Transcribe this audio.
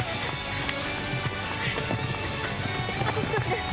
あと少しです！